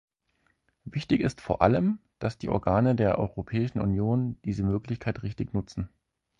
Wichtig ist vor allem, dass die Organe der Europäischen Union diese Möglichkeit richtig nutzen.